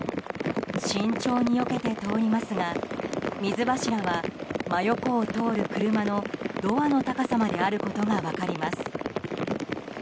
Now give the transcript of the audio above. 慎重によけて通りますが水柱は真横を通る車のドアの高さまであることが分かります。